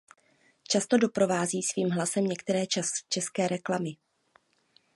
Často doprovází svým hlasem některé české reklamy.